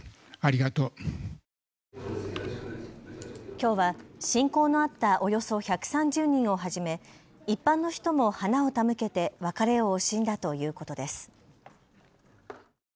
きょうは親交のあったおよそ１３０人をはじめ一般の人も花を手向けて別れを惜しんだということです。